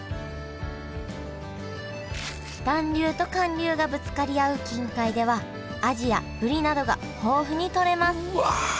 暖流と寒流がぶつかり合う近海ではアジやブリなどが豊富に取れますうわ